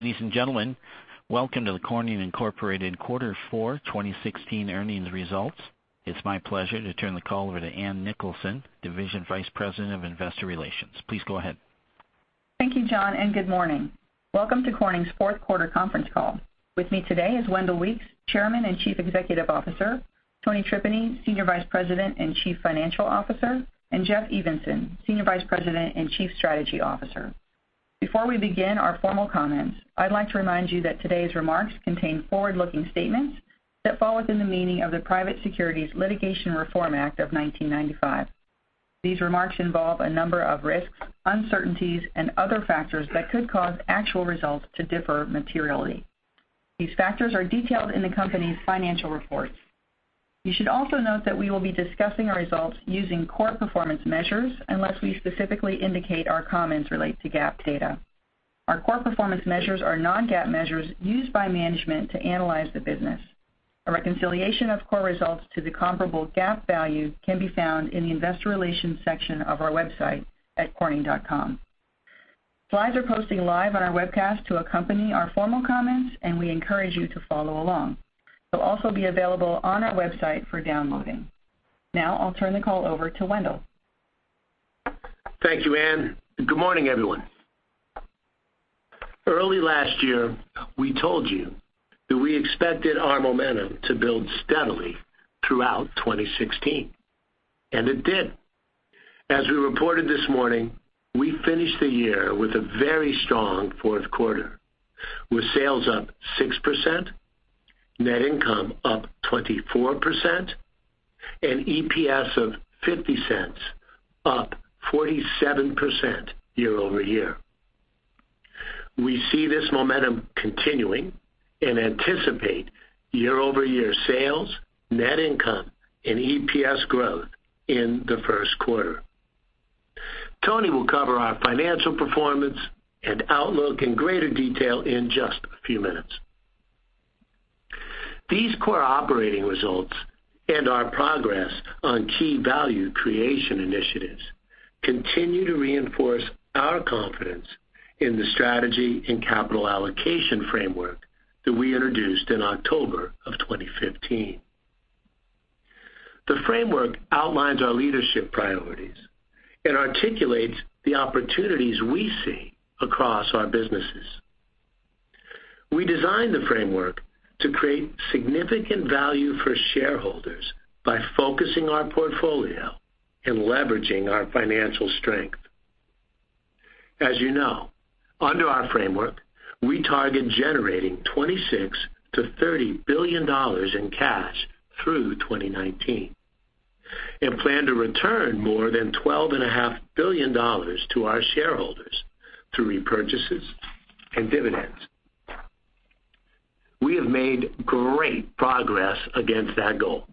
Ladies and gentlemen, welcome to the Corning Incorporated Quarter 4 2016 earnings results. It's my pleasure to turn the call over to Ann Nicholson, Division Vice President of Investor Relations. Please go ahead. Thank you, John, and good morning. Welcome to Corning's fourth quarter conference call. With me today is Wendell Weeks, Chairman and Chief Executive Officer, Tony Tripeny, Senior Vice President and Chief Financial Officer, and Jeff Evenson, Senior Vice President and Chief Strategy Officer. Before we begin our formal comments, I'd like to remind you that today's remarks contain forward-looking statements that fall within the meaning of the Private Securities Litigation Reform Act of 1995. These remarks involve a number of risks, uncertainties, and other factors that could cause actual results to differ materially. These factors are detailed in the company's financial reports. You should also note that we will be discussing our results using core performance measures, unless we specifically indicate our comments relate to GAAP data. Our core performance measures are non-GAAP measures used by management to analyze the business. A reconciliation of core results to the comparable GAAP value can be found in the investor relations section of our website at corning.com. Slides are posting live on our webcast to accompany our formal comments, and we encourage you to follow along. They'll also be available on our website for downloading. Now I'll turn the call over to Wendell. Thank you, Ann. Good morning, everyone. Early last year, we told you that we expected our momentum to build steadily throughout 2016, and it did. As we reported this morning, we finished the year with a very strong fourth quarter, with sales up 6%, net income up 24%, and EPS of $0.50, up 47% year-over-year. Tony will cover our financial performance and outlook in greater detail in just a few minutes. These core operating results and our progress on key value creation initiatives continue to reinforce our confidence in the strategy and capital allocation framework that we introduced in October of 2015. The framework outlines our leadership priorities and articulates the opportunities we see across our businesses. We designed the framework to create significant value for shareholders by focusing our portfolio and leveraging our financial strength. As you know, under our framework, we target generating $26 billion-$30 billion in cash through 2019 and plan to return more than $12.5 billion to our shareholders through repurchases and dividends. We have made great progress against that goal.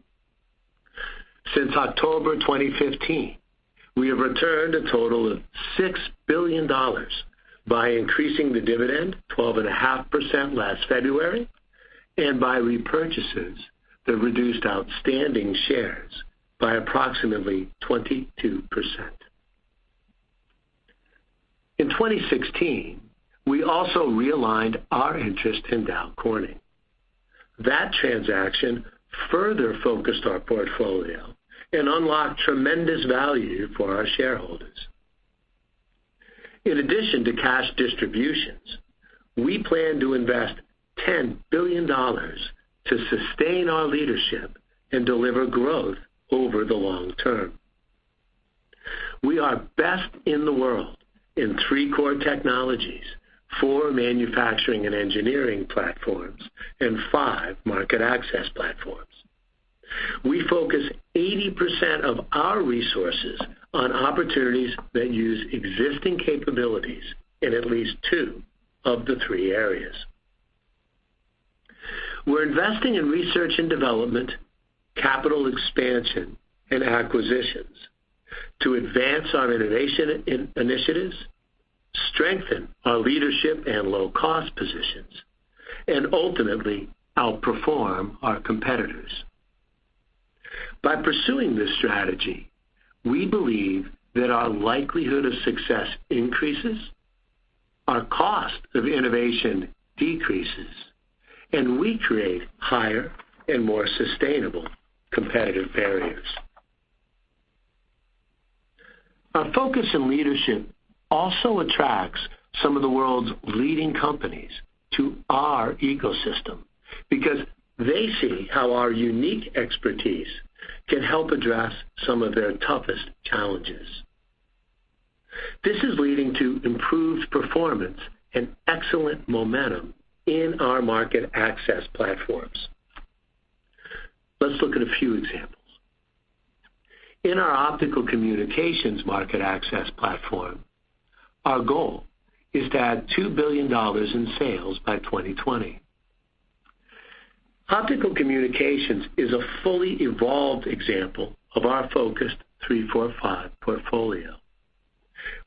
Since October 2015, we have returned a total of $6 billion by increasing the dividend 12.5% last February and by repurchases that reduced outstanding shares by approximately 22%. In 2016, we also realigned our interest in Dow Corning. That transaction further focused our portfolio and unlocked tremendous value for our shareholders. In addition to cash distributions, we plan to invest $10 billion to sustain our leadership and deliver growth over the long term. We are best in the world in three core technologies, four manufacturing and engineering platforms, and five market access platforms. We focus 80% of our resources on opportunities that use existing capabilities in at least two of the three areas. We are investing in research and development, capital expansion, and acquisitions to advance our innovation initiatives, strengthen our leadership and low-cost positions, and ultimately outperform our competitors. By pursuing this strategy, we believe that our likelihood of success increases, our cost of innovation decreases, and we create higher and more sustainable competitive barriers. Our focus on leadership also attracts some of the world's leading companies to our ecosystem because they see how our unique expertise can help address some of their toughest challenges. This is leading to improved performance and excellent momentum in our market access platforms. Let's look at a few examples. In our Optical Communications market access platform, our goal is to add $2 billion in sales by 2020. Optical Communications is a fully evolved example of our focused 3-4-5 portfolio.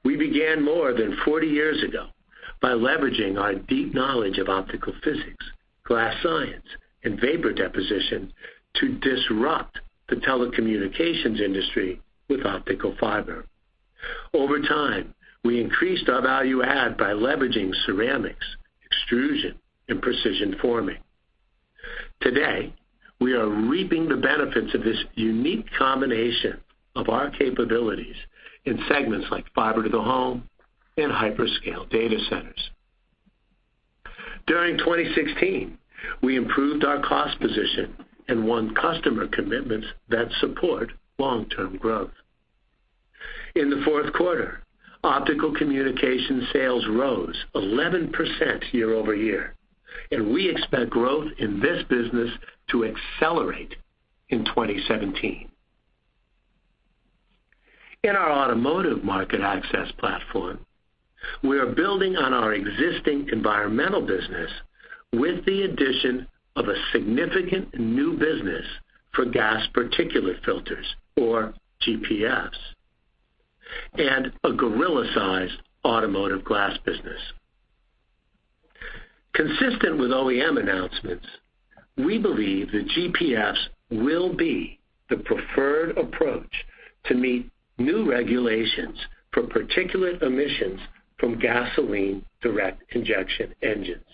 We began more than 40 years ago by leveraging our deep knowledge of optical physics, glass science, and vapor deposition to disrupt the telecommunications industry with optical fiber. Over time, we increased our value add by leveraging ceramics, extrusion, and precision forming. Today, we are reaping the benefits of this unique combination of our capabilities in segments like fiber to the home and hyperscale data centers. During 2016, we improved our cost position and won customer commitments that support long-term growth. In the fourth quarter, Optical Communications sales rose 11% year-over-year, and we expect growth in this business to accelerate in 2017. In our automotive market access platform, we are building on our existing environmental business with the addition of a significant new business for gasoline particulate filters, or GPFs, and a Gorilla-sized automotive glass business. Consistent with OEM announcements, we believe that GPFs will be the preferred approach to meet new regulations for particulate emissions from gasoline direct injection engines.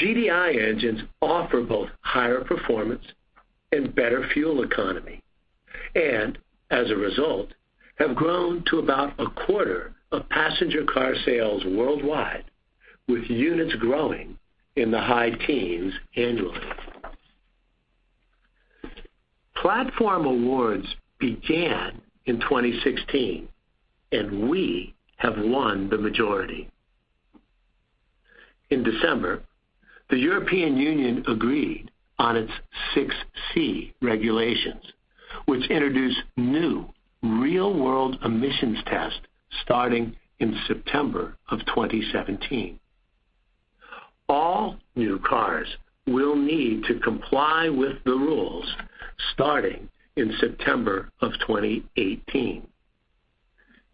GDI engines offer both higher performance and better fuel economy, and, as a result, have grown to about a quarter of passenger car sales worldwide, with units growing in the high teens annually. Platform awards began in 2016, and we have won the majority. In December, the European Union agreed on its Euro 6c regulations, which introduce new real-world emissions tests starting in September of 2017. All new cars will need to comply with the rules starting in September of 2018.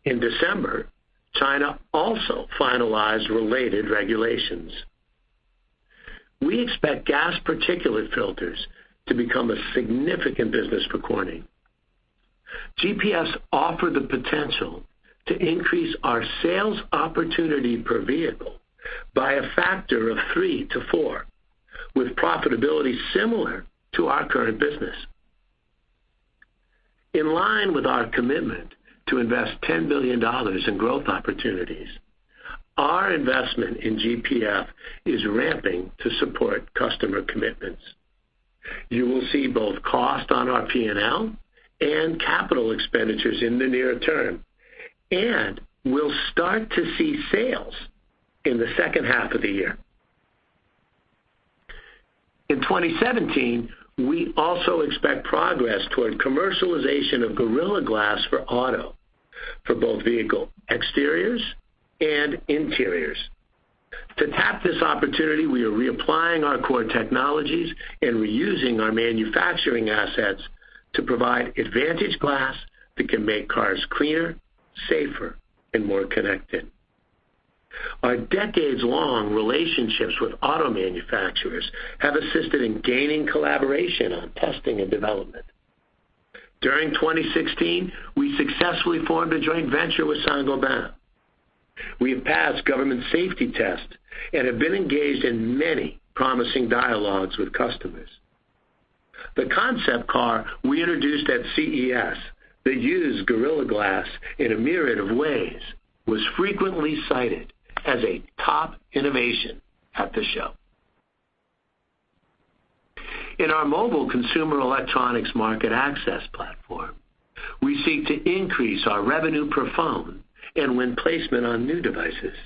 In December, China also finalized related regulations. We expect gasoline particulate filters to become a significant business for Corning. GPFs offer the potential to increase our sales opportunity per vehicle by a factor of three to four, with profitability similar to our current business. In line with our commitment to invest $10 billion in growth opportunities, our investment in GPF is ramping to support customer commitments. You will see both cost on our P&L and capital expenditures in the near term, and we'll start to see sales in the second half of the year. In 2017, we also expect progress toward commercialization of Gorilla Glass for auto, for both vehicle exteriors and interiors. To tap this opportunity, we are reapplying our core technologies and reusing our manufacturing assets to provide advantage glass that can make cars cleaner, safer, and more connected. Our decades-long relationships with auto manufacturers have assisted in gaining collaboration on testing and development. During 2016, we successfully formed a joint venture with Saint-Gobain. We have passed government safety tests and have been engaged in many promising dialogues with customers. The concept car we introduced at CES that used Gorilla Glass in a myriad of ways was frequently cited as a top innovation at the show. In our mobile consumer electronics market access platform, we seek to increase our revenue per phone and win placement on new devices.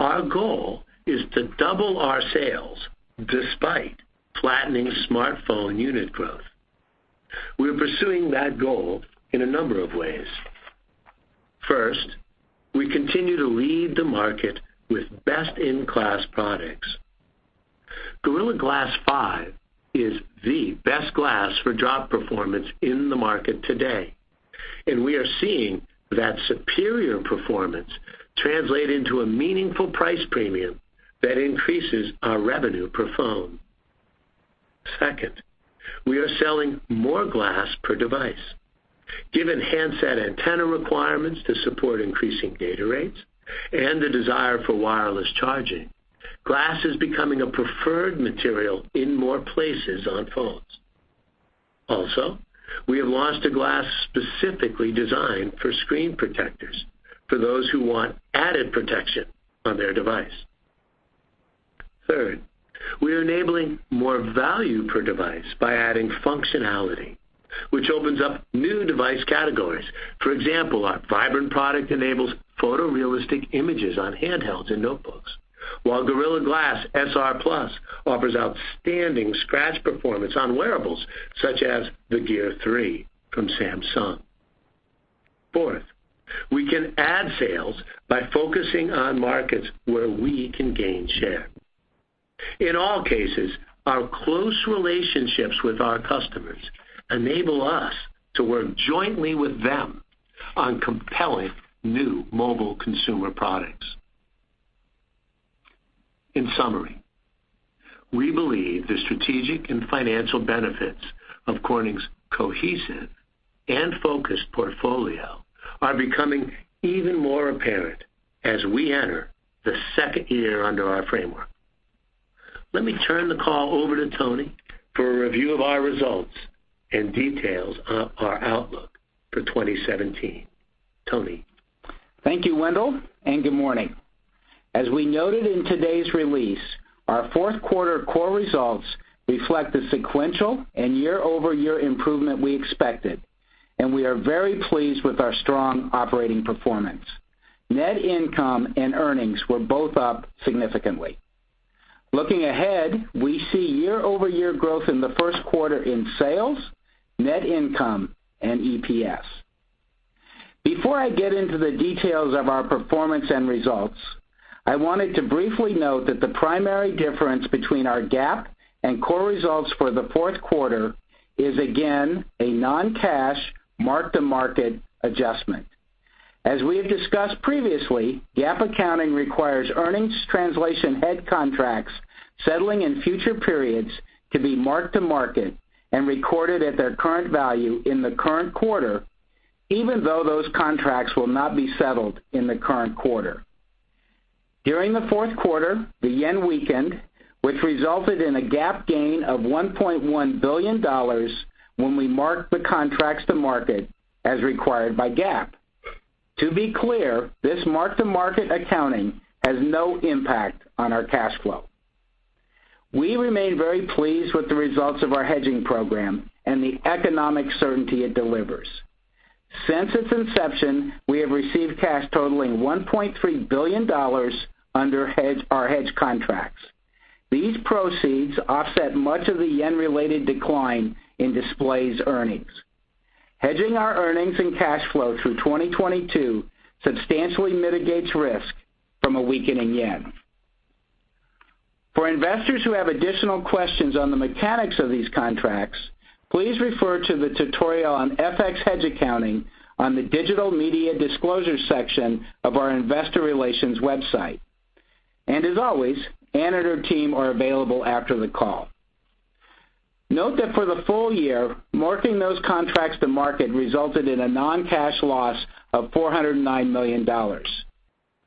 Our goal is to double our sales despite flattening smartphone unit growth. We are pursuing that goal in a number of ways. First, we continue to lead the market with best-in-class products. Gorilla Glass 5 is the best glass for drop performance in the market today, and we are seeing that superior performance translate into a meaningful price premium that increases our revenue per phone. Second, we are selling more glass per device. Given handset antenna requirements to support increasing data rates and the desire for wireless charging, glass is becoming a preferred material in more places on phones. Also, we have launched a glass specifically designed for screen protectors for those who want added protection on their device. Third, we are enabling more value per device by adding functionality, which opens up new device categories. For example, our Vibrant product enables photorealistic images on handhelds and notebooks, while Gorilla Glass SR+ offers outstanding scratch performance on wearables such as the Gear S3 from Samsung. Fourth, we can add sales by focusing on markets where we can gain share. In all cases, our close relationships with our customers enable us to work jointly with them on compelling new mobile consumer products. In summary, we believe the strategic and financial benefits of Corning's cohesive and focused portfolio are becoming even more apparent as we enter the second year under our framework. Let me turn the call over to Tony for a review of our results and details on our outlook for 2017. Tony? Thank you, Wendell, and good morning. As we noted in today's release, our fourth quarter core results reflect the sequential and year-over-year improvement we expected, and we are very pleased with our strong operating performance. Net income and earnings were both up significantly. Looking ahead, we see year-over-year growth in the first quarter in sales, net income, and EPS. Before I get into the details of our performance and results, I wanted to briefly note that the primary difference between our GAAP and core results for the fourth quarter is again a non-cash mark-to-market adjustment. As we have discussed previously, GAAP accounting requires earnings translation hedge contracts settling in future periods to be mark-to-market and recorded at their current value in the current quarter, even though those contracts will not be settled in the current quarter. During the fourth quarter, the yen weakened, which resulted in a GAAP gain of $1.1 billion when we marked the contracts to market as required by GAAP. To be clear, this mark-to-market accounting has no impact on our cash flow. We remain very pleased with the results of our hedging program and the economic certainty it delivers. Since its inception, we have received cash totaling $1.3 billion under our hedge contracts. These proceeds offset much of the yen-related decline in Displays' earnings. Hedging our earnings and cash flow through 2022 substantially mitigates risk from a weakening yen. For investors who have additional questions on the mechanics of these contracts, please refer to the tutorial on FX hedge accounting on the digital media disclosure section of our investor relations website. As always, Ann and her team are available after the call. Note that for the full year, marking those contracts to market resulted in a non-cash loss of $409 million.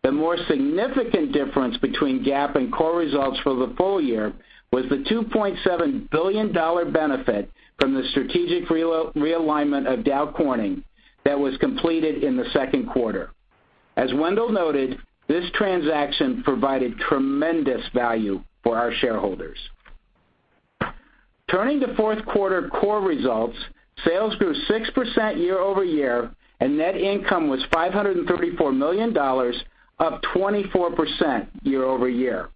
The more significant difference between GAAP and core results for the full year was the $2.7 billion benefit from the strategic realignment of Dow Corning that was completed in the second quarter. As Wendell noted, this transaction provided tremendous value for our shareholders. Turning to fourth quarter core results, sales grew 6% year-over-year, net income was $534 million, up 24% year-over-year.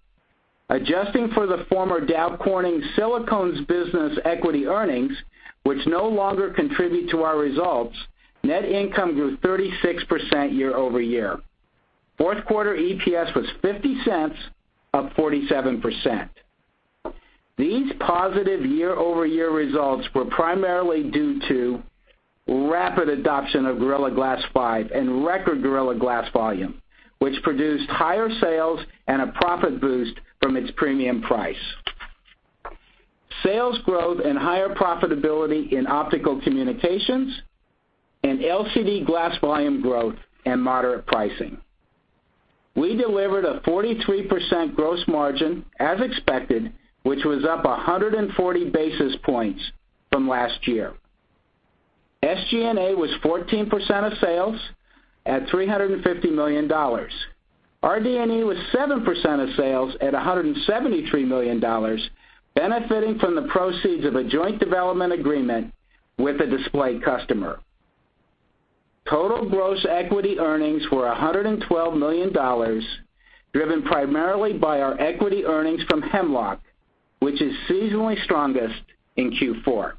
Adjusting for the former Dow Corning Silicones business equity earnings, which no longer contribute to our results, net income grew 36% year-over-year. Fourth quarter EPS was $0.50, up 47%. These positive year-over-year results were primarily due to rapid adoption of Gorilla Glass 5 and record Gorilla Glass volume, which produced higher sales and a profit boost from its premium price. Sales growth and higher profitability in Optical Communications and LCD glass volume growth and moderate pricing. We delivered a 43% gross margin, as expected, which was up 140 basis points from last year. SG&A was 14% of sales at $350 million. RD&E was 7% of sales at $173 million, benefiting from the proceeds of a joint development agreement with a display customer. Total gross equity earnings were $112 million, driven primarily by our equity earnings from Hemlock, which is seasonally strongest in Q4.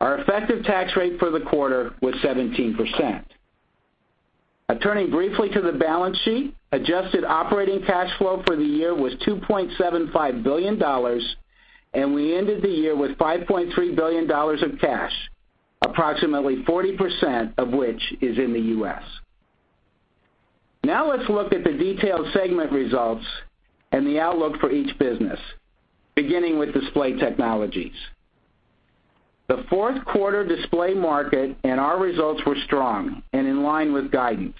Our effective tax rate for the quarter was 17%. Turning briefly to the balance sheet, adjusted operating cash flow for the year was $2.75 billion, and we ended the year with $5.3 billion of cash, approximately 40% of which is in the U.S. Now let's look at the detailed segment results and the outlook for each business, beginning with Display Technologies. The fourth quarter Display Technologies market and our results were strong and in line with guidance.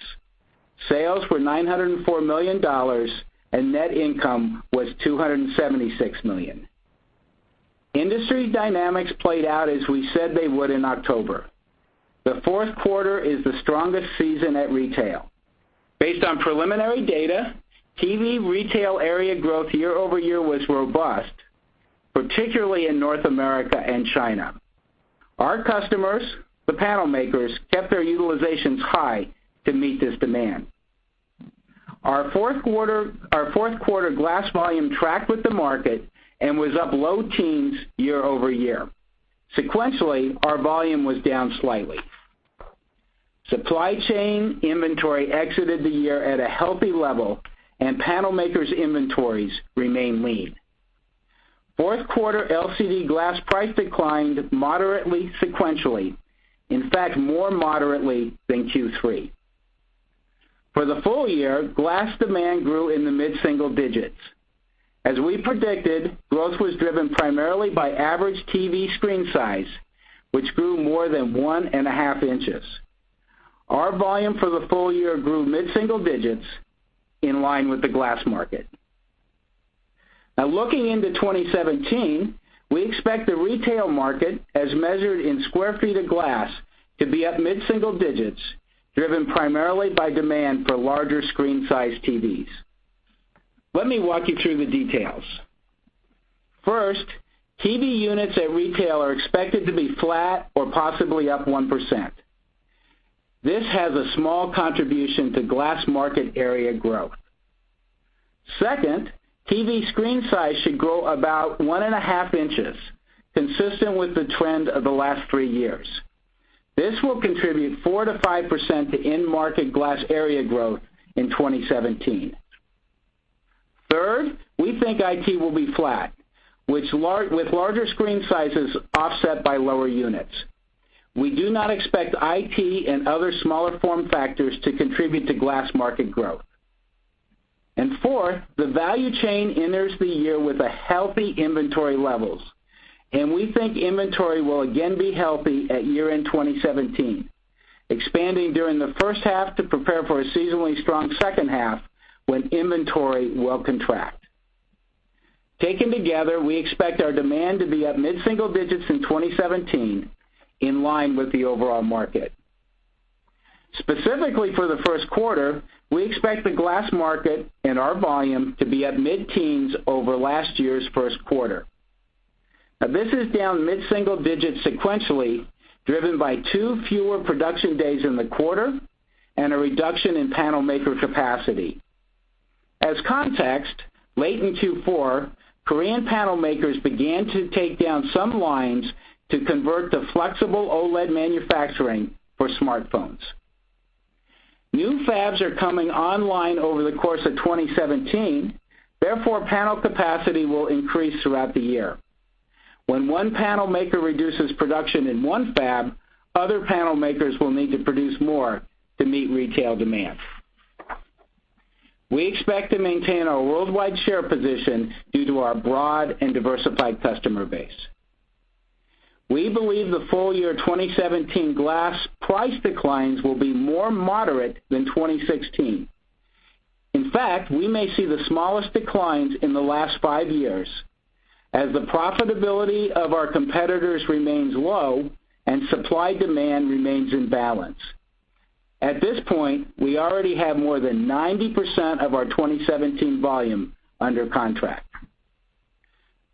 Sales were $904 million, and net income was $276 million. Industry dynamics played out as we said they would in October. The fourth quarter is the strongest season at retail. Based on preliminary data, TV retail area growth year-over-year was robust, particularly in North America and China. Our customers, the panel makers, kept their utilizations high to meet this demand. Our fourth quarter glass volume tracked with the market and was up low teens year-over-year. Sequentially, our volume was down slightly. Supply chain inventory exited the year at a healthy level, and panel makers' inventories remain lean. Fourth quarter LCD glass price declined moderately sequentially. In fact, more moderately than Q3. For the full year, glass demand grew in the mid-single digits. As we predicted, growth was driven primarily by average TV screen size, which grew more than one and a half inches. Our volume for the full year grew mid-single digits in line with the glass market. Looking into 2017, we expect the retail market, as measured in sq ft of glass, to be up mid-single digits, driven primarily by demand for larger screen size TVs. Let me walk you through the details. First, TV units at retail are expected to be flat or possibly up 1%. This has a small contribution to glass market area growth. Second, TV screen size should grow about one and a half inches, consistent with the trend of the last three years. This will contribute 4%-5% to end market glass area growth in 2017. Third, we think IT will be flat, with larger screen sizes offset by lower units. We do not expect IT and other smaller form factors to contribute to glass market growth. Fourth, the value chain enters the year with healthy inventory levels. We think inventory will again be healthy at year-end 2017, expanding during the first half to prepare for a seasonally strong second half when inventory will contract. Taken together, we expect our demand to be up mid-single digits in 2017, in line with the overall market. Specifically for the first quarter, we expect the glass market and our volume to be up mid-teens over last year's first quarter. This is down mid-single digits sequentially, driven by two fewer production days in the quarter and a reduction in panel maker capacity. As context, late in Q4, Korean panel makers began to take down some lines to convert to flexible OLED manufacturing for smartphones. New fabs are coming online over the course of 2017, therefore panel capacity will increase throughout the year. When one panel maker reduces production in one fab, other panel makers will need to produce more to meet retail demand. We expect to maintain our worldwide share position due to our broad and diversified customer base. We believe the full year 2017 glass price declines will be more moderate than 2016. In fact, we may see the smallest declines in the last five years as the profitability of our competitors remains low and supply-demand remains in balance. At this point, we already have more than 90% of our 2017 volume under contract.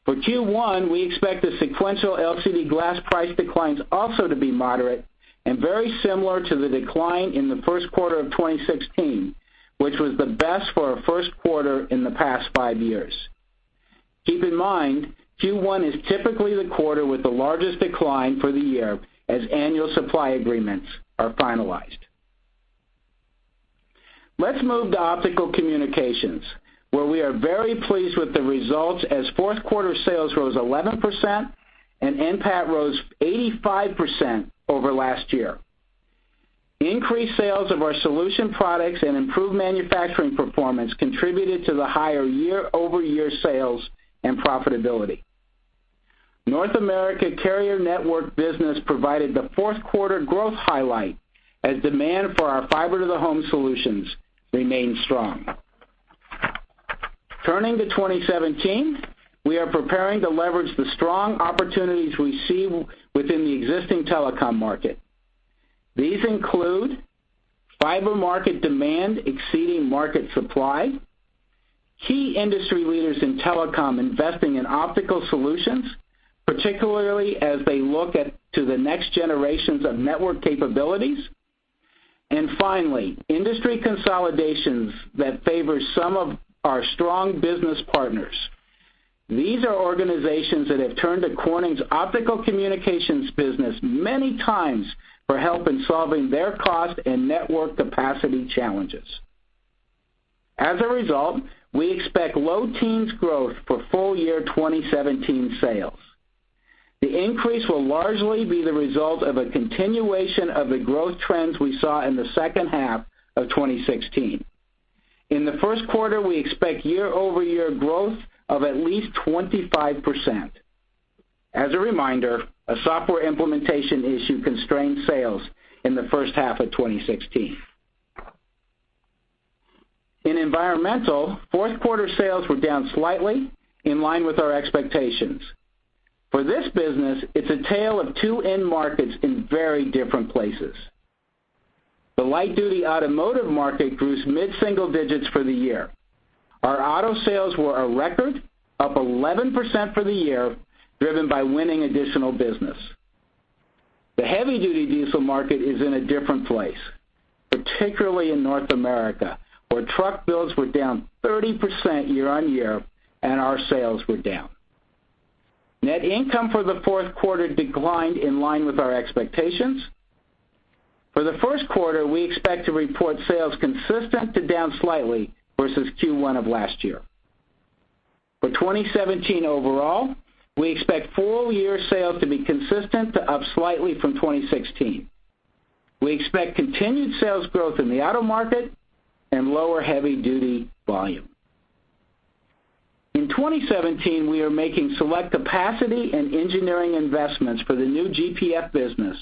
For Q1, we expect the sequential LCD glass price declines also to be moderate and very similar to the decline in the first quarter of 2016, which was the best for a first quarter in the past five years. Keep in mind, Q1 is typically the quarter with the largest decline for the year as annual supply agreements are finalized. Let's move to Optical Communications, where we are very pleased with the results as fourth quarter sales rose 11% and NPAT rose 85% over last year. Increased sales of our solution products and improved manufacturing performance contributed to the higher year-over-year sales and profitability. North America carrier network business provided the fourth quarter growth highlight as demand for our fiber to the home solutions remained strong. Turning to 2017, we are preparing to leverage the strong opportunities we see within the existing telecom market. These include fiber market demand exceeding market supply, key industry leaders in telecom investing in optical solutions, particularly as they look to the next generations of network capabilities, finally, industry consolidations that favor some of our strong business partners. These are organizations that have turned to Corning's Optical Communications business many times for help in solving their cost and network capacity challenges. As a result, we expect low teens growth for full year 2017 sales. The increase will largely be the result of a continuation of the growth trends we saw in the second half of 2016. In the first quarter, we expect year-over-year growth of at least 25%. As a reminder, a software implementation issue constrained sales in the first half of 2016. In environmental, fourth quarter sales were down slightly, in line with our expectations. For this business, it's a tale of two end markets in very different places. The light-duty automotive market grew mid-single digits for the year. Our auto sales were a record, up 11% for the year, driven by winning additional business. The heavy-duty diesel market is in a different place, particularly in North America, where truck builds were down 30% year-on-year, our sales were down. Net income for the fourth quarter declined in line with our expectations. For the first quarter, we expect to report sales consistent to down slightly versus Q1 of last year. For 2017 overall, we expect full-year sales to be consistent to up slightly from 2016. We expect continued sales growth in the auto market and lower heavy-duty volume. In 2017, we are making select capacity and engineering investments for the new GPF business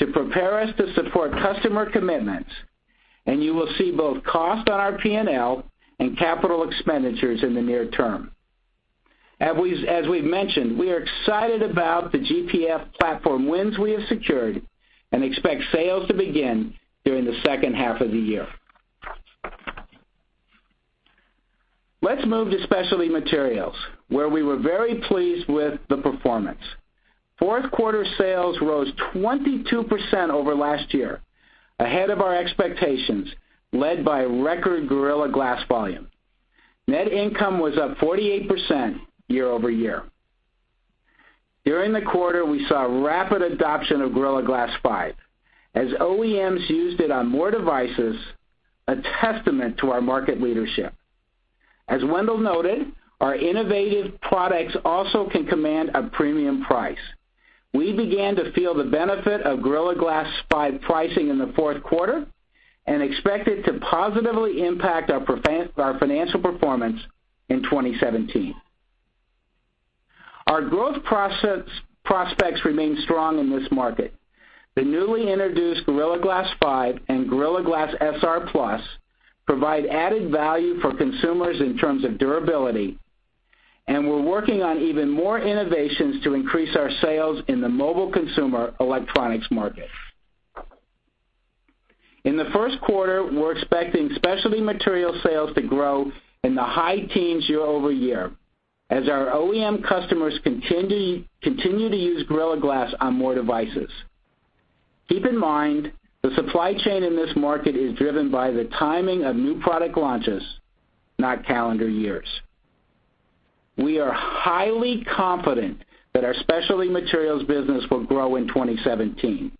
to prepare us to support customer commitments, and you will see both cost on our P&L and capital expenditures in the near term. As we've mentioned, we are excited about the GPF platform wins we have secured and expect sales to begin during the second half of the year. Let's move to Specialty Materials, where we were very pleased with the performance. Fourth quarter sales rose 22% over last year, ahead of our expectations, led by record Gorilla Glass volume. Net income was up 48% year-over-year. During the quarter, we saw rapid adoption of Gorilla Glass 5 as OEMs used it on more devices, a testament to our market leadership. As Wendell noted, our innovative products also can command a premium price. We began to feel the benefit of Gorilla Glass 5 pricing in the fourth quarter and expect it to positively impact our financial performance in 2017. Our growth prospects remain strong in this market. The newly introduced Gorilla Glass 5 and Gorilla Glass SR+ provide added value for consumers in terms of durability, we're working on even more innovations to increase our sales in the mobile consumer electronics market. In the first quarter, we're expecting Specialty Material sales to grow in the high teens year-over-year as our OEM customers continue to use Gorilla Glass on more devices. Keep in mind, the supply chain in this market is driven by the timing of new product launches, not calendar years. We are highly confident that our Specialty Materials business will grow in 2017.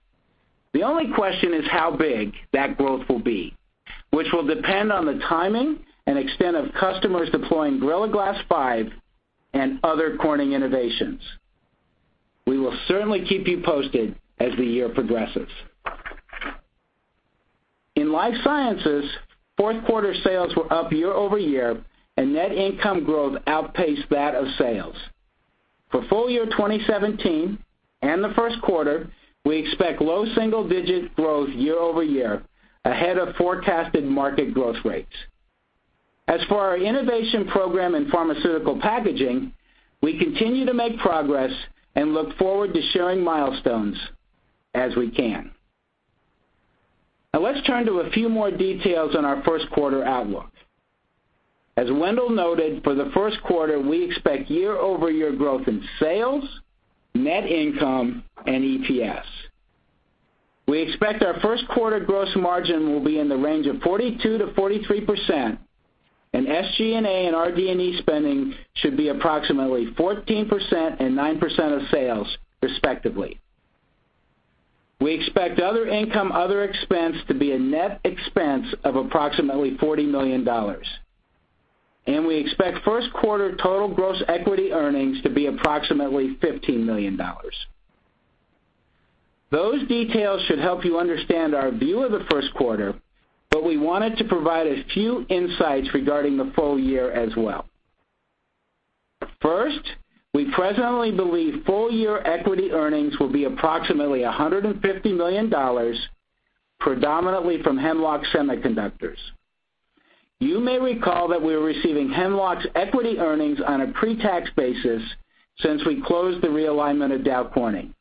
The only question is how big that growth will be, which will depend on the timing and extent of customers deploying Gorilla Glass 5 and other Corning innovations. We will certainly keep you posted as the year progresses. In life sciences, fourth quarter sales were up year-over-year, and net income growth outpaced that of sales. For full year 2017 and the first quarter, we expect low single-digit growth year-over-year, ahead of forecasted market growth rates. As for our innovation program in pharmaceutical packaging, we continue to make progress and look forward to sharing milestones as we can. Let's turn to a few more details on our first quarter outlook. As Wendell noted, for the first quarter, we expect year-over-year growth in sales, net income, and EPS. We expect our first quarter gross margin will be in the range of 42%-43%, and SG&A and RD&E spending should be approximately 14% and 9% of sales respectively. We expect other income, other expense to be a net expense of approximately $40 million. We expect first quarter total gross equity earnings to be approximately $15 million. We wanted to provide a few insights regarding the full year as well. First, we presently believe full-year equity earnings will be approximately $150 million, predominantly from Hemlock Semiconductor. You may recall that we are receiving Hemlock's equity earnings on a pretax basis since we closed the realignment of Dow Corning.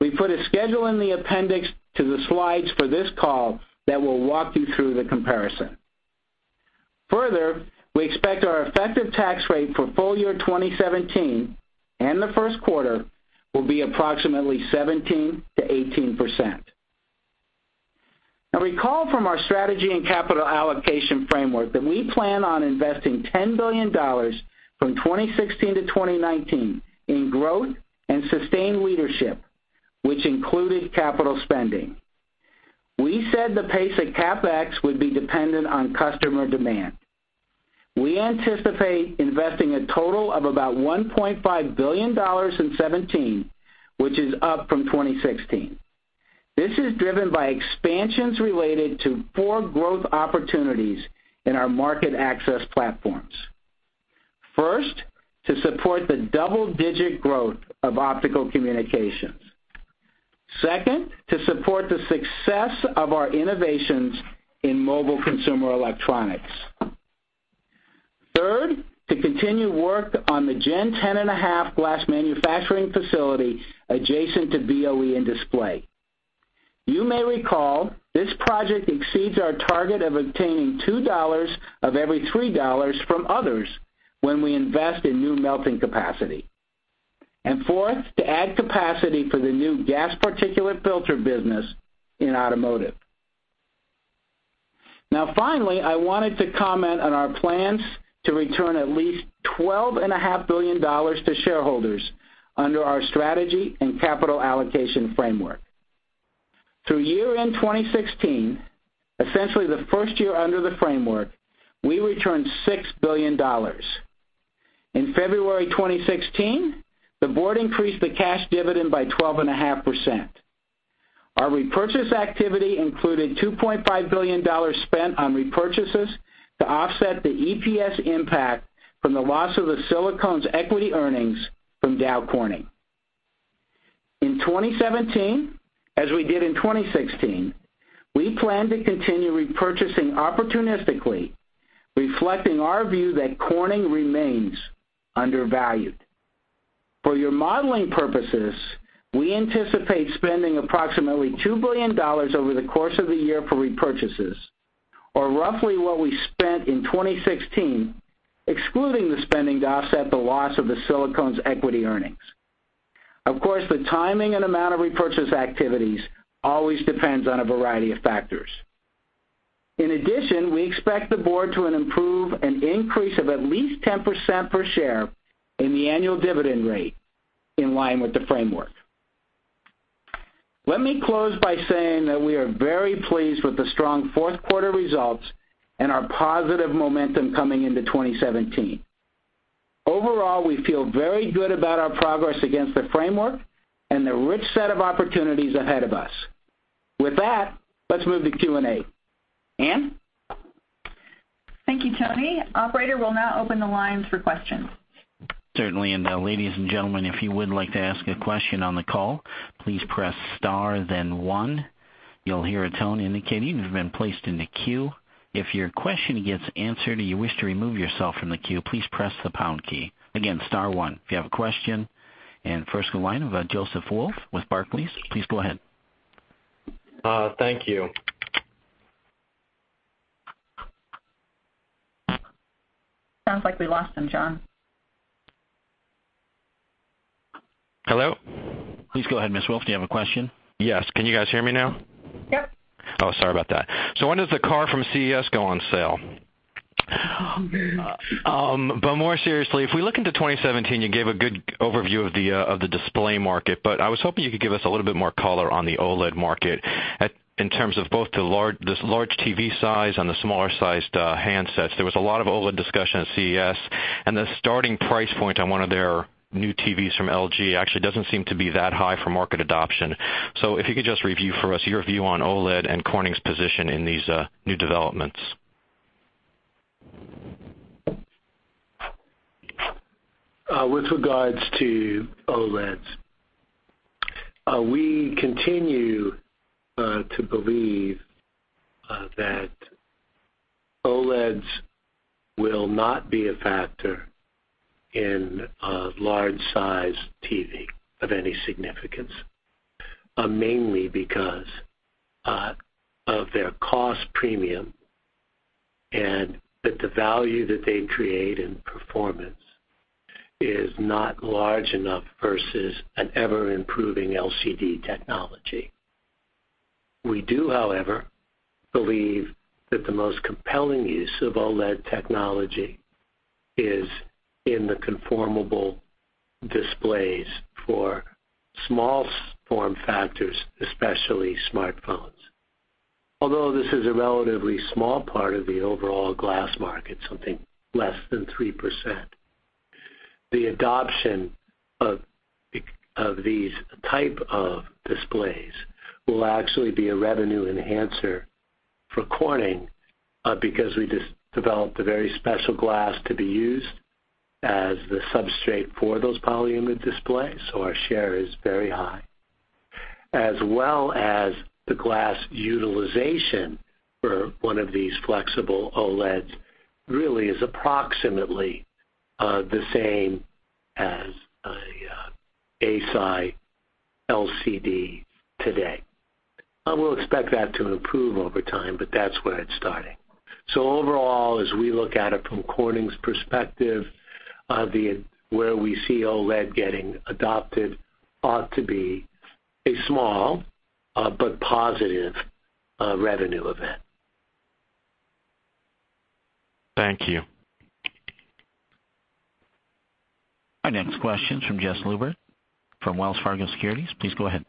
We put a schedule in the appendix to the slides for this call that will walk you through the comparison. We expect our effective tax rate for full year 2017 and the first quarter will be approximately 17%-18%. Recall from our strategy and capital allocation framework that we plan on investing $10 billion from 2016-2019 in growth and sustained leadership, which included capital spending. We said the pace of CapEx would be dependent on customer demand. We anticipate investing a total of about $1.5 billion in 2017, which is up from 2016. This is driven by expansions related to four growth opportunities in our market access platforms. First, to support the double-digit growth of Optical Communications. Second, to support the success of our innovations in mobile consumer electronics. Third, to continue work on the Gen 10.5 glass manufacturing facility adjacent to BOE and Display. You may recall, this project exceeds our target of obtaining $2 of every $3 from others when we invest in new melting capacity. Fourth, to add capacity for the new gasoline particulate filter business in automotive. Finally, I wanted to comment on our plans to return at least $12.5 billion to shareholders under our strategy and capital allocation framework. Through year-end 2016, essentially the first year under the framework, we returned $6 billion. In February 2016, the board increased the cash dividend by 12.5%. Our repurchase activity included $2.5 billion spent on repurchases to offset the EPS impact from the loss of the silicones equity earnings from Dow Corning. In 2017, as we did in 2016, we plan to continue repurchasing opportunistically, reflecting our view that Corning remains undervalued. For your modeling purposes, we anticipate spending approximately $2 billion over the course of the year for repurchases, or roughly what we spent in 2016, excluding the spending to offset the loss of the silicones equity earnings. Of course, the timing and amount of repurchase activities always depends on a variety of factors. In addition, we expect the board to approve an increase of at least 10% per share in the annual dividend rate in line with the framework. Let me close by saying that we are very pleased with the strong fourth quarter results and our positive momentum coming into 2017. Overall, we feel very good about our progress against the framework and the rich set of opportunities ahead of us. With that, let's move to Q&A. Ann? Thank you, Tony. Operator, we'll now open the lines for questions. Certainly, ladies and gentlemen, if you would like to ask a question on the call, please press star then one. You'll hear a tone indicating you've been placed in the queue. If your question gets answered or you wish to remove yourself from the queue, please press the pound key. Again, star one if you have a question. First in line, we've got Joseph Wolf with Barclays. Please go ahead. Thank you. Sounds like we lost him, John. Hello? Please go ahead, Mr. Wolf. Do you have a question? Yes. Can you guys hear me now? Yep. When does the car from CES go on sale? More seriously, if we look into 2017, you gave a good overview of the Display Technologies market, but I was hoping you could give us a little bit more color on the OLED market in terms of both this large TV size and the smaller sized handsets. There was a lot of OLED discussion at CES, the starting price point on one of their new TVs from LG actually doesn't seem to be that high for market adoption. If you could just review for us your view on OLED and Corning's position in these new developments. With regards to OLEDs, we continue to believe that OLEDs will not be a factor in large size TV of any significance, mainly because of their cost premium and that the value that they create in performance is not large enough versus an ever-improving LCD technology. We do, however, believe that the most compelling use of OLED technology is in the conformable displays for small form factors, especially smartphones. Although this is a relatively small part of the overall glass market, something less than 3%, the adoption of these type of displays will actually be a revenue enhancer for Corning because we just developed a very special glass to be used as the substrate for those polyimide displays, so our share is very high. As well as the glass utilization for one of these flexible OLEDs really is approximately the same as a a-Si LCD today. We'll expect that to improve over time, but that's where it's starting. Overall, as we look at it from Corning's perspective, where we see OLED getting adopted ought to be a small but positive revenue event. Thank you. Our next question is from Jess Lubert from Wells Fargo Securities. Please go ahead.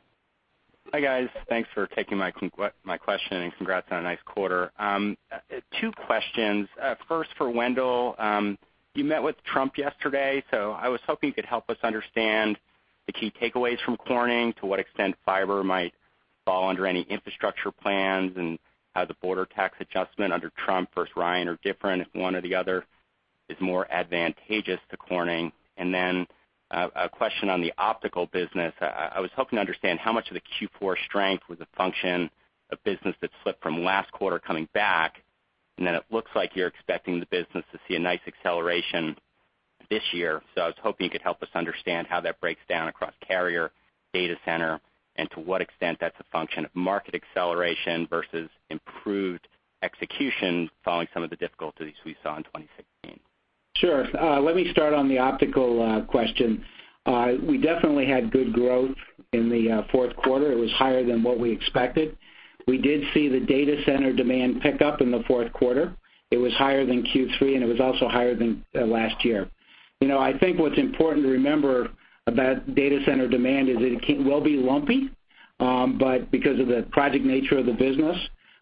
Hi, guys. Thanks for taking my question, and congrats on a nice quarter. Two questions. First for Wendell. You met with Trump yesterday, I was hoping you could help us understand the key takeaways from Corning, to what extent fiber might fall under any infrastructure plans, and how the border tax adjustment under Trump versus Ryan are different, if one or the other is more advantageous to Corning. A question on the optical business. I was hoping to understand how much of the Q4 strength was a function of business that slipped from last quarter coming back, it looks like you're expecting the business to see a nice acceleration this year. I was hoping you could help us understand how that breaks down across carrier, data center, and to what extent that's a function of market acceleration versus improved execution following some of the difficulties we saw in 2016. Sure. Let me start on the optical question. We definitely had good growth in the fourth quarter. It was higher than what we expected. We did see the data center demand pick up in the fourth quarter. It was higher than Q3, it was also higher than last year. I think what's important to remember about data center demand is that it will be lumpy, because of the project nature of the business.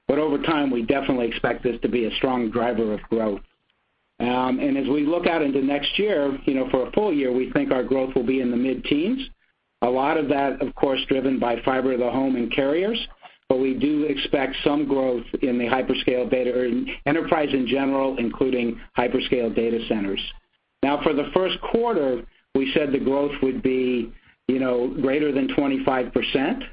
Over time, we definitely expect this to be a strong driver of growth. As we look out into next year, for a full year, we think our growth will be in the low-teens. A lot of that, of course, driven by fiber to the home and carriers. We do expect some growth in enterprise in general, including hyperscale data centers. For the first quarter, we said the growth would be greater than 25%.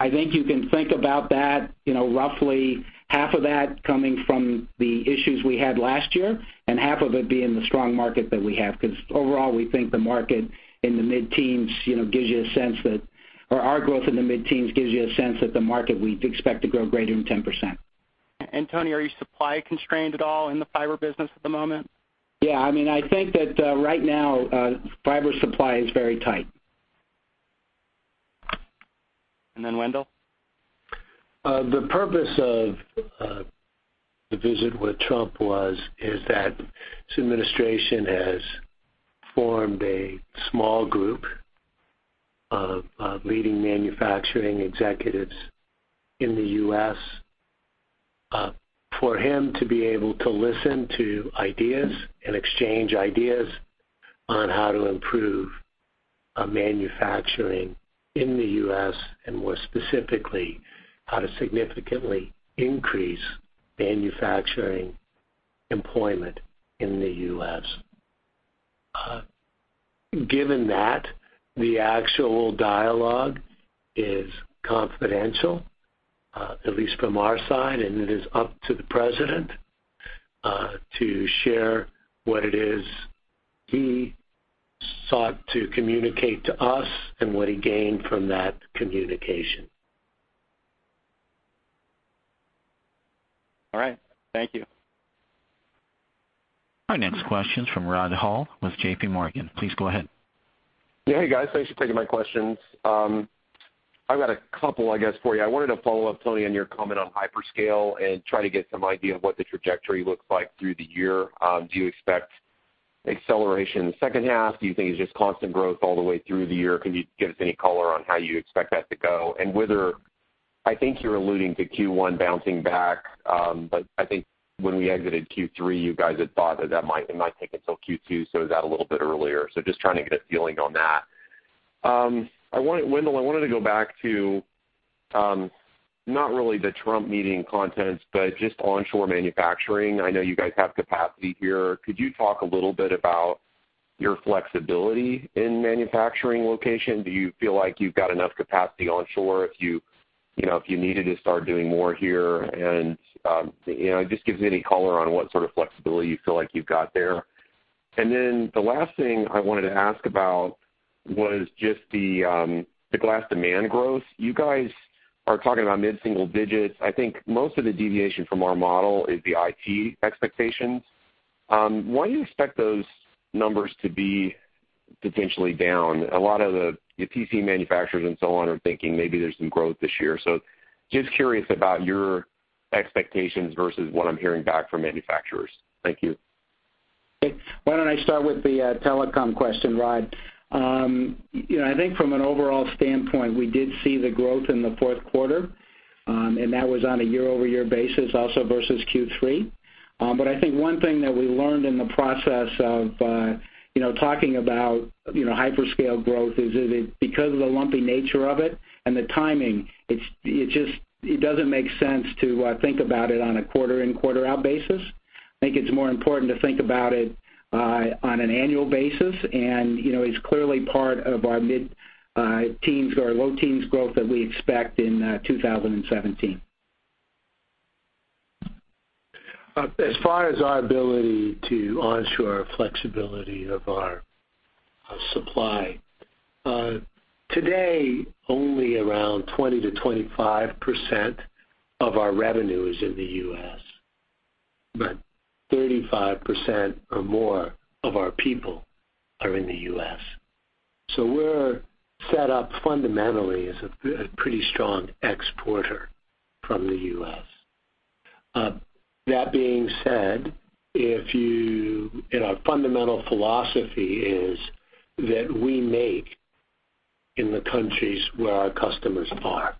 I think you can think about that, roughly half of that coming from the issues we had last year, and half of it being the strong market that we have, because overall we think our growth in the low-teens gives you a sense that the market we expect to grow greater than 10%. Tony, are you supply constrained at all in the fiber business at the moment? Yeah. I think that right now, fiber supply is very tight. Wendell. The purpose of the visit with Trump was, is that his administration has formed a small group of leading manufacturing executives in the U.S., for him to be able to listen to ideas and exchange ideas on how to improve manufacturing in the U.S., and more specifically, how to significantly increase manufacturing employment in the U.S. Given that, the actual dialogue is confidential, at least from our side, and it is up to the President to share what it is he sought to communicate to us and what he gained from that communication. All right. Thank you. Our next question's from Rod Hall with J.P. Morgan. Please go ahead. Hey, guys. Thanks for taking my questions. I've got a couple, I guess, for you. I wanted to follow up, Tony, on your comment on hyperscale and try to get some idea of what the trajectory looks like through the year. Do you expect acceleration in the second half? Do you think it's just constant growth all the way through the year? Can you give us any color on how you expect that to go? Whether, I think you're alluding to Q1 bouncing back, but I think when we exited Q3, you guys had thought that that might not take until Q2, so is that a little bit earlier? Just trying to get a feeling on that. Wendell, I wanted to go back to, not really the Trump meeting contents, but just onshore manufacturing. I know you guys have capacity here. Could you talk a little bit about your flexibility in manufacturing location? Do you feel like you've got enough capacity onshore if you needed to start doing more here? Just give any color on what sort of flexibility you feel like you've got there. The last thing I wanted to ask about was just the glass demand growth. You guys are talking about mid-single digits. I think most of the deviation from our model is the IT expectations. Why do you expect those numbers to be potentially down? A lot of the PC manufacturers and so on are thinking maybe there's some growth this year. Just curious about your expectations versus what I'm hearing back from manufacturers. Thank you. Why don't I start with the telecom question, Rod. I think from an overall standpoint, we did see the growth in the fourth quarter, and that was on a year-over-year basis also versus Q3. I think one thing that we learned in the process of talking about hyperscale growth is because of the lumpy nature of it and the timing, it doesn't make sense to think about it on a quarter in, quarter out basis. I think it's more important to think about it on an annual basis, and it's clearly part of our mid-teens or our low teens growth that we expect in 2017. As far as our ability to onshore flexibility of our supply. Today, only around 20%-25% of our revenue is in the U.S., but 35% or more of our people are in the U.S. We're set up fundamentally as a pretty strong exporter from the U.S. That being said, our fundamental philosophy is that we make in the countries where our customers are.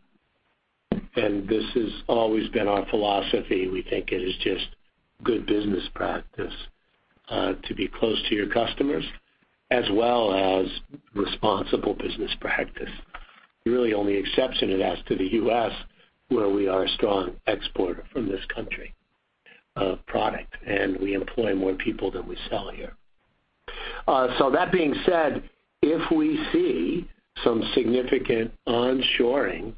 This has always been our philosophy. We think it is just good business practice to be close to your customers, as well as responsible business practice. Really only exception it has to the U.S., where we are a strong exporter from this country of product, and we employ more people than we sell here. That being said, if we see some significant onshoring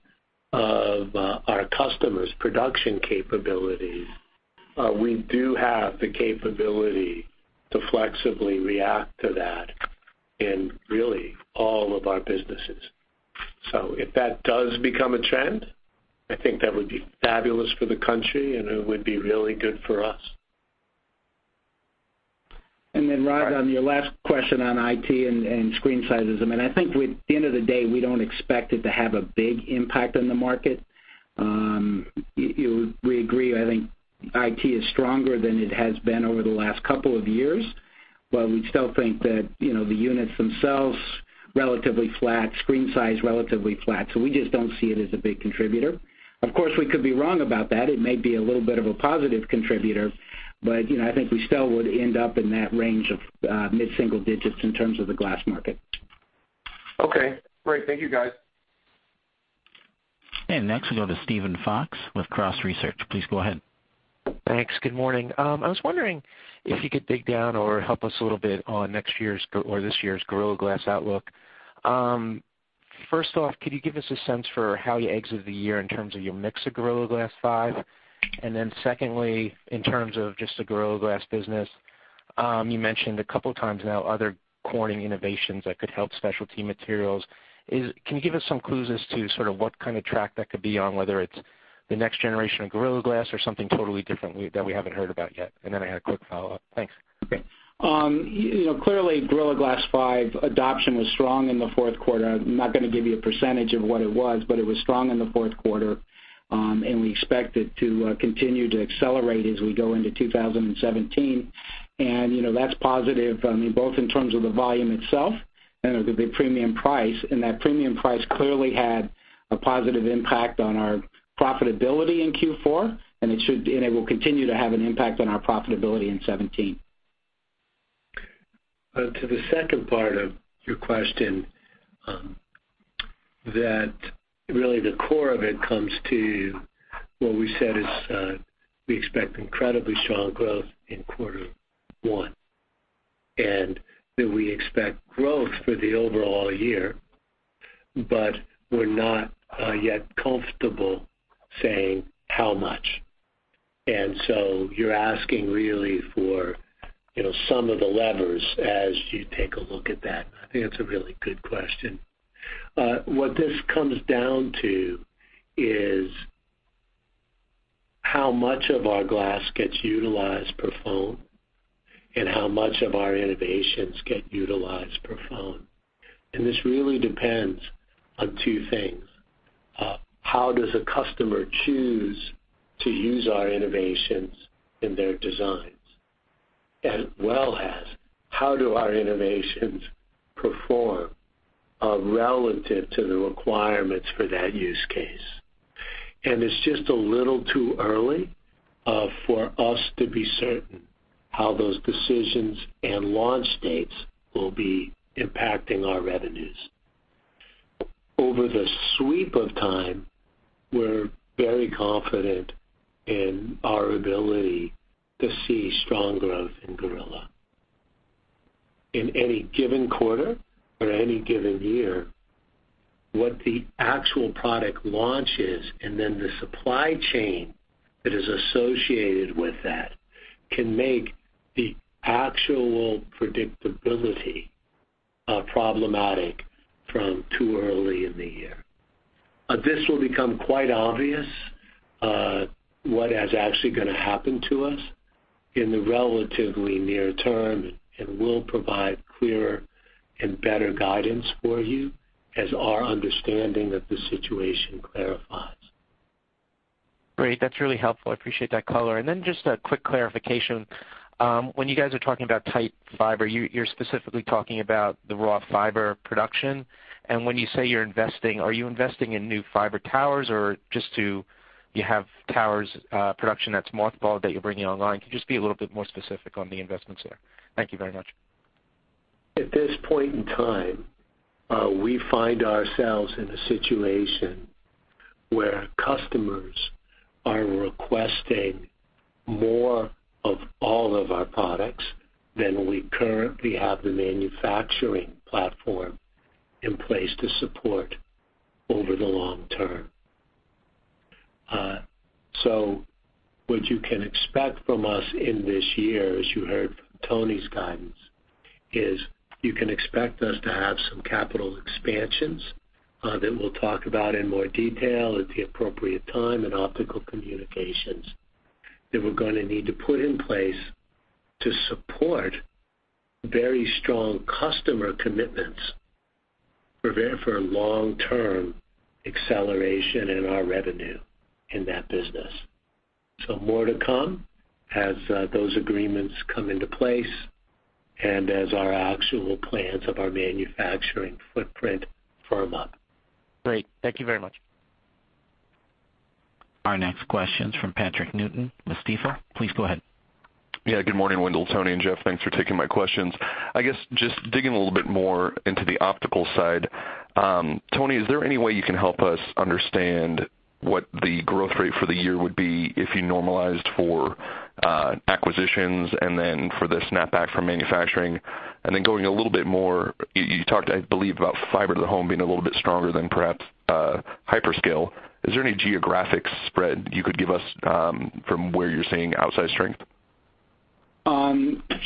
of our customers' production capabilities, we do have the capability to flexibly react to that in really all of our businesses. If that does become a trend, I think that would be fabulous for the country, and it would be really good for us. Rod, on your last question on IT and screen sizes, I think at the end of the day, we don't expect it to have a big impact on the market. We agree, I think IT is stronger than it has been over the last couple of years, we still think that the units themselves, relatively flat, screen size, relatively flat. We just don't see it as a big contributor. Of course, we could be wrong about that. It may be a little bit of a positive contributor, I think we still would end up in that range of mid-single digits in terms of the glass market. Okay. Great. Thank you, guys. Next we go to Steven Fox with Cross Research. Please go ahead. Thanks. Good morning. I was wondering if you could dig down or help us a little bit on this year's Gorilla Glass outlook. First off, could you give us a sense for how you exit the year in terms of your mix of Gorilla Glass 5? Secondly, in terms of just the Gorilla Glass business, you mentioned a couple times now other Corning innovations that could help Specialty Materials. Can you give us some clues as to what kind of track that could be on, whether it's the next generation of Gorilla Glass or something totally different that we haven't heard about yet? I had a quick follow-up. Thanks. Clearly, Gorilla Glass 5 adoption was strong in the fourth quarter. I'm not going to give you a percentage of what it was, but it was strong in the fourth quarter, we expect it to continue to accelerate as we go into 2017. That's positive, both in terms of the volume itself and the premium price. That premium price clearly had a positive impact on our profitability in Q4, it will continue to have an impact on our profitability in 2017. To the second part of your question, that really the core of it comes to what we said is, we expect incredibly strong growth in quarter one, that we expect growth for the overall year, but we're not yet comfortable saying how much. You're asking really for some of the levers as you take a look at that. I think that's a really good question. What this comes down to is how much of our glass gets utilized per phone and how much of our innovations get utilized per phone. This really depends on two things. How does a customer choose to use our innovations in their designs, as well as how do our innovations perform relative to the requirements for that use case? It's just a little too early for us to be certain how those decisions and launch dates will be impacting our revenues. Over the sweep of time, we're very confident in our ability to see strong growth in Gorilla. In any given quarter or any given year, what the actual product launch is, the supply chain that is associated with that, can make the actual predictability problematic from too early in the year. This will become quite obvious, what is actually going to happen to us in the relatively near term, we'll provide clearer and better guidance for you as our understanding of the situation clarifies. Great. That's really helpful. I appreciate that color. Just a quick clarification. When you guys are talking about tight fiber, you're specifically talking about the raw fiber production. When you say you're investing, are you investing in new fiber towers or just you have towers production that's mothballed that you're bringing online? Can you just be a little bit more specific on the investments there? Thank you very much. At this point in time, we find ourselves in a situation where customers are requesting more of all of our products than we currently have the manufacturing platform in place to support over the long term. What you can expect from us in this year, as you heard from Tony's guidance, is you can expect us to have some capital expansions, that we'll talk about in more detail at the appropriate time in Optical Communications, that we're going to need to put in place to support very strong customer commitments for long-term acceleration in our revenue in that business. More to come as those agreements come into place and as our actual plans of our manufacturing footprint firm up. Great. Thank you very much. Our next question's from Patrick Newton with Stifel. Please go ahead. Yeah, good morning, Wendell, Tony, and Jeff. Thanks for taking my questions. I guess just digging a little bit more into the optical side. Tony, is there any way you can help us understand what the growth rate for the year would be if you normalized for acquisitions and then for the snapback from manufacturing? And then going a little bit more, you talked, I believe, about fiber to the home being a little bit stronger than perhaps hyperscale. Is there any geographic spread you could give us from where you're seeing outsized strength?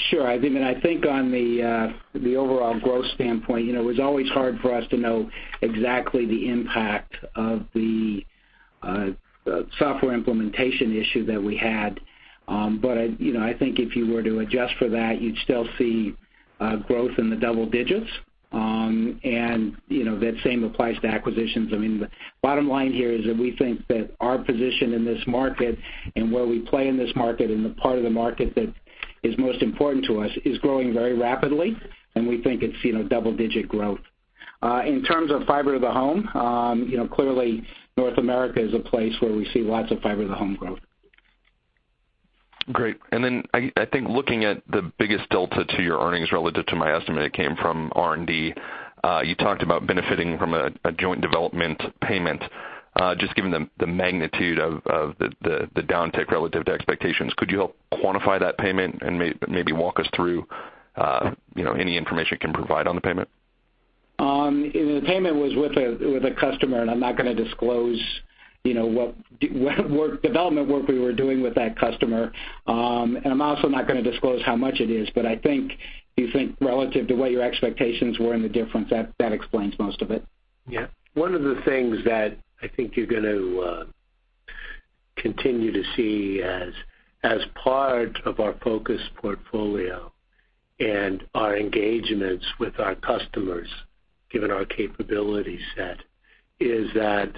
Sure. I think on the overall growth standpoint, it was always hard for us to know exactly the impact of the software implementation issue that we had. I think if you were to adjust for that, you'd still see growth in the double digits. That same applies to acquisitions. The bottom line here is that we think that our position in this market and where we play in this market, and the part of the market that is most important to us, is growing very rapidly, and we think it's double-digit growth. In terms of fiber to the home, clearly North America is a place where we see lots of fiber to the home growth. Great. I think looking at the biggest delta to your earnings relative to my estimate that came from RD&E, you talked about benefiting from a joint development payment. Just given the magnitude of the downtick relative to expectations, could you help quantify that payment and maybe walk us through any information you can provide on the payment? The payment was with a customer, and I'm not going to disclose what development work we were doing with that customer. I'm also not going to disclose how much it is. I think you think relative to what your expectations were and the difference, that explains most of it. Yeah. One of the things that I think you're going to continue to see as part of our focus portfolio and our engagements with our customers, given our capability set, is that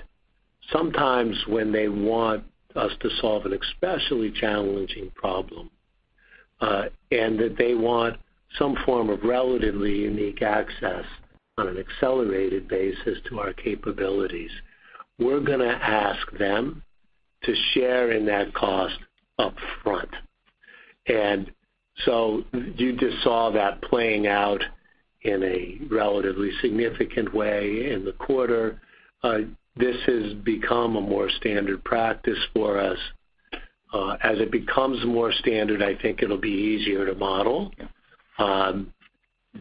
sometimes when they want us to solve an especially challenging problem, and that they want some form of relatively unique access on an accelerated basis to our capabilities, we're going to ask them to share in that cost upfront. You just saw that playing out in a relatively significant way in the quarter. This has become a more standard practice for us. As it becomes more standard, I think it'll be easier to model. Yeah.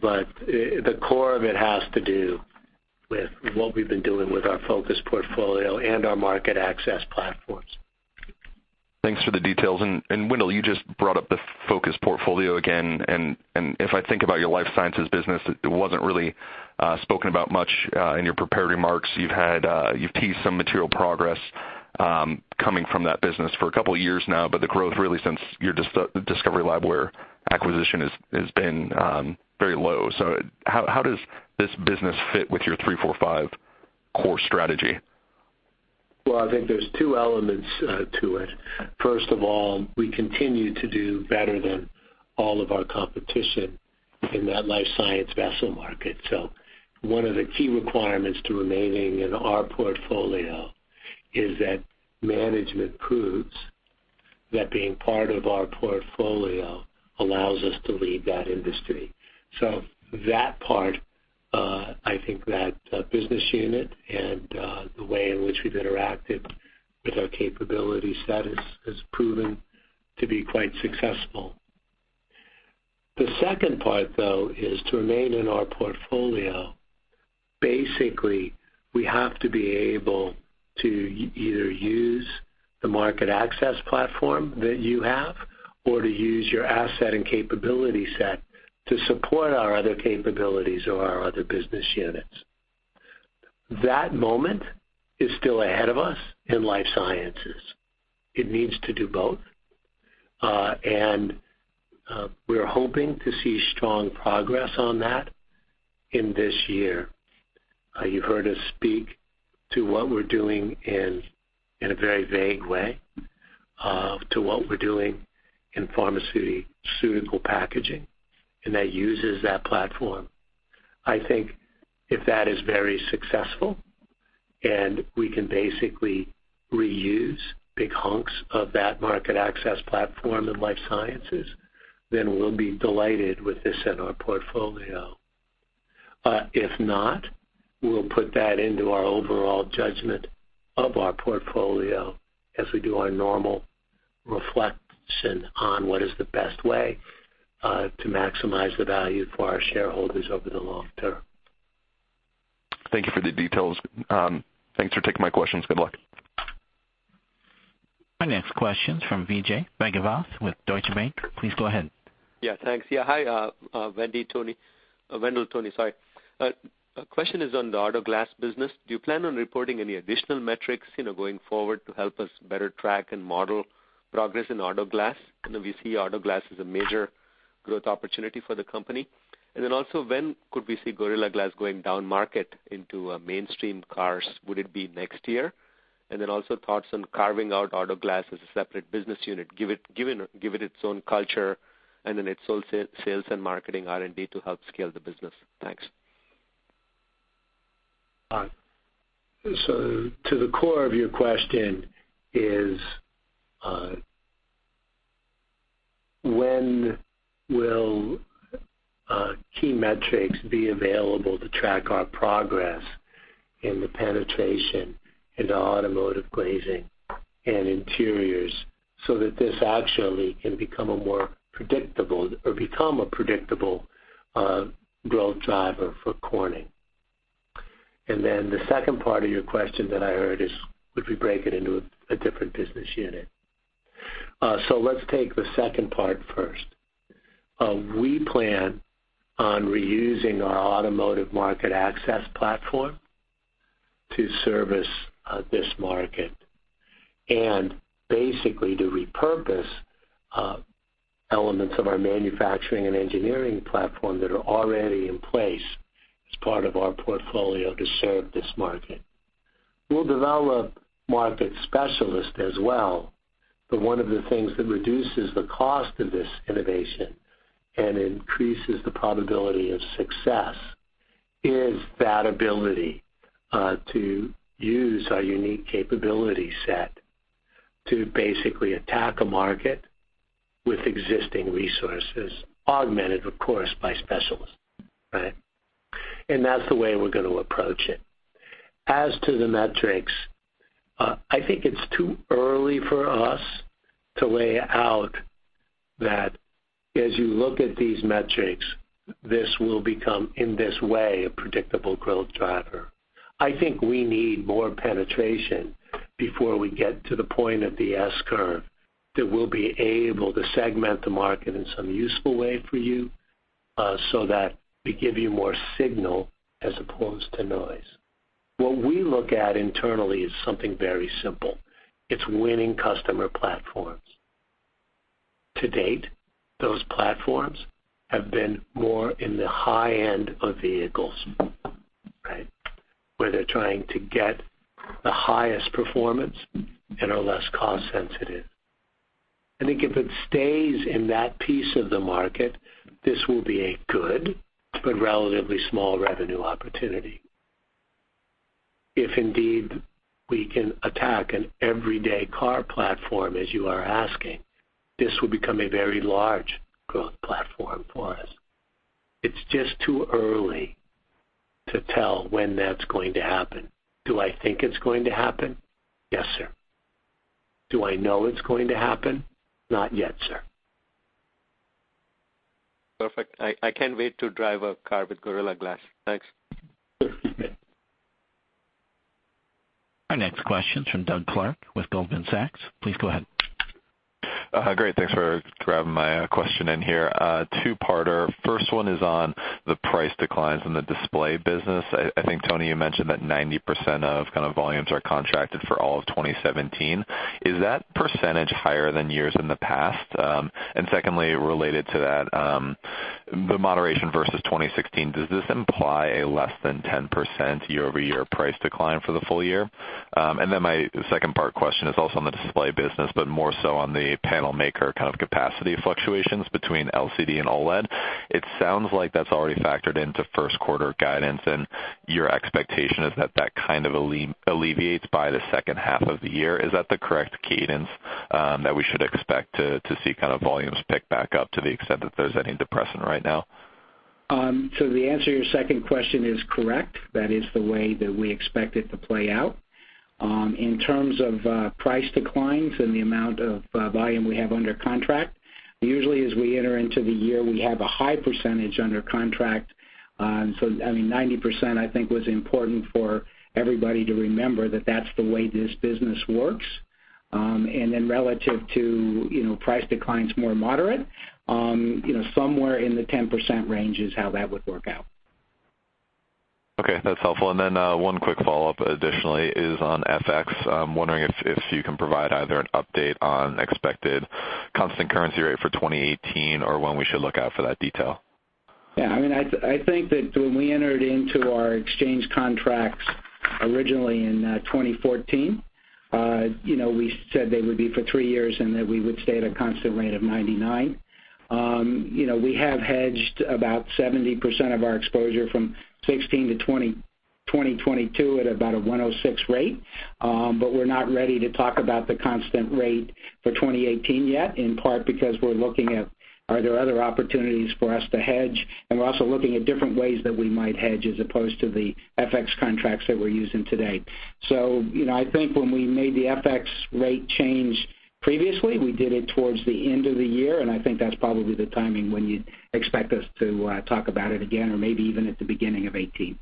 The core of it has to do with what we've been doing with our focus portfolio and our market access platforms. Thanks for the details. Wendell, you just brought up the focus portfolio again, and if I think about your life sciences business, it wasn't really spoken about much in your prepared remarks. You've teased some material progress coming from that business for a couple of years now, but the growth really since your Discovery Labware acquisition has been very low. So how does this business fit with your three, four, five core strategy? Well, I think there's two elements to it. First of all, we continue to do better than all of our competition in that life science vessel market. One of the key requirements to remaining in our portfolio is that management proves that being part of our portfolio allows us to lead that industry. That part, I think that business unit and the way in which we've interacted with our capability status has proven to be quite successful. The second part, though, is to remain in our portfolio. Basically, we have to be able to either use the market access platform that you have or to use your asset and capability set to support our other capabilities or our other business units. That moment is still ahead of us in life sciences. It needs to do both. We're hoping to see strong progress on that in this year. You've heard us speak to what we're doing in a very vague way to what we're doing in pharmaceutical packaging, that uses that platform. I think if that is very successful and we can basically reuse big hunks of that market access platform in life sciences, we'll be delighted with this in our portfolio. If not, we'll put that into our overall judgment of our portfolio as we do our normal reflection on what is the best way to maximize the value for our shareholders over the long term. Thank you for the details. Thanks for taking my questions. Good luck. Our next question's from Vijay Raghava with Deutsche Bank. Please go ahead. Yeah, thanks. Hi, Wendell, Tony. Question is on the auto glass business. Then also when could we see Gorilla Glass going down market into mainstream cars? Would it be next year? Then also thoughts on carving out auto glass as a separate business unit, give it its own culture, and then its own sales and marketing R&D to help scale the business. Thanks. To the core of your question is, when will key metrics be available to track our progress in the penetration into automotive glazing and interiors so that this actually can become a predictable growth driver for Corning? Then the second part of your question that I heard is, would we break it into a different business unit? Let's take the second part first. We plan on reusing our automotive market access platform to service this market. Basically to repurpose elements of our manufacturing and engineering platform that are already in place as part of our portfolio to serve this market. We'll develop market specialists as well, but one of the things that reduces the cost of this innovation and increases the probability of success is that ability to use our unique capability set to basically attack a market with existing resources, augmented, of course, by specialists. Right? That's the way we're going to approach it. As to the metrics, I think it's too early for us to lay out that as you look at these metrics, this will become, in this way, a predictable growth driver. I think we need more penetration before we get to the point of the S-curve, that we'll be able to segment the market in some useful way for you, so that we give you more signal as opposed to noise. What we look at internally is something very simple. It's winning customer platforms. To date, those platforms have been more in the high end of vehicles, right, where they're trying to get the highest performance and are less cost sensitive. I think if it stays in that piece of the market, this will be a good but relatively small revenue opportunity. If indeed we can attack an everyday car platform, as you are asking, this will become a very large growth platform for us. It's just too early to tell when that's going to happen. Do I think it's going to happen? Yes, sir. Do I know it's going to happen? Not yet, sir. Perfect. I can't wait to drive a car with Gorilla Glass. Thanks. Our next question's from Doug Clark with Goldman Sachs. Please go ahead. Great. Thanks for grabbing my question in here. A two-parter. First one is on the price declines in the display business. I think, Tony, you mentioned that 90% of kind of volumes are contracted for all of 2017. Is that percentage higher than years in the past? Secondly, related to that, the moderation versus 2016, does this imply a less than 10% year-over-year price decline for the full year? My second part question is also on the display business, but more so on the panel maker kind of capacity fluctuations between LCD and OLED. It sounds like that's already factored into first quarter guidance, and your expectation is that that kind of alleviates by the second half of the year. Is that the correct cadence that we should expect to see kind of volumes pick back up to the extent that there's any depressant right now? The answer to your second question is correct. That is the way that we expect it to play out. In terms of price declines and the amount of volume we have under contract, usually as we enter into the year, we have a high percentage under contract. I mean, 90%, I think, was important for everybody to remember that that's the way this business works. Relative to price declines more moderate, somewhere in the 10% range is how that would work out. Okay, that's helpful. One quick follow-up additionally is on FX. I'm wondering if you can provide either an update on expected constant currency rate for 2018 or when we should look out for that detail. I think that when we entered into our exchange contracts originally in 2014, we said they would be for three years and that we would stay at a constant rate of 99. We have hedged about 70% of our exposure from 2016 to 2022 at about a 106 rate. We're not ready to talk about the constant rate for 2018 yet, in part because we're looking at are there other opportunities for us to hedge, and we're also looking at different ways that we might hedge as opposed to the FX contracts that we're using today. I think when we made the FX rate change previously, we did it towards the end of the year, and I think that's probably the timing when you'd expect us to talk about it again, or maybe even at the beginning of 2018.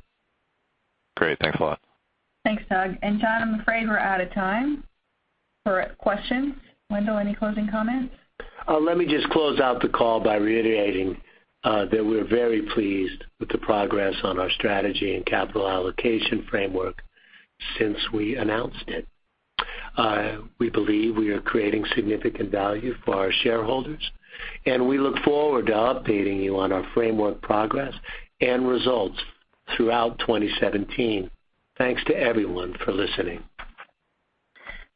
Great. Thanks a lot. Thanks, Doug. John, I'm afraid we're out of time for questions. Wendell, any closing comments? Let me just close out the call by reiterating that we're very pleased with the progress on our strategy and capital allocation framework since we announced it. We believe we are creating significant value for our shareholders, and we look forward to updating you on our framework progress and results throughout 2017. Thanks to everyone for listening.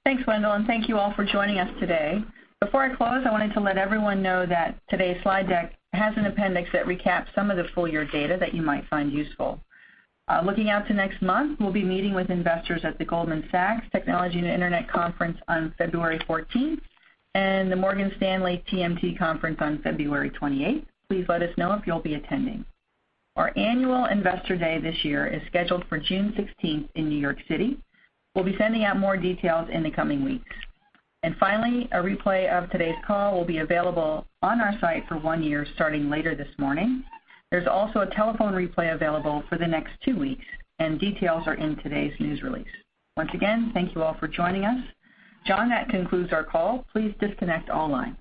Thanks, Wendell. Thank you all for joining us today. Before I close, I wanted to let everyone know that today's slide deck has an appendix that recaps some of the full-year data that you might find useful. Looking out to next month, we'll be meeting with investors at the Goldman Sachs Technology and Internet Conference on February 14th and the Morgan Stanley TMT Conference on February 28th. Please let us know if you'll be attending. Our annual Investor Day this year is scheduled for June 16th in New York City. We'll be sending out more details in the coming weeks. Finally, a replay of today's call will be available on our site for one year starting later this morning. There's also a telephone replay available for the next two weeks, and details are in today's news release. Once again, thank you all for joining us. John, that concludes our call. Please disconnect all lines.